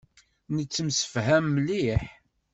Nettemsefham mliḥ.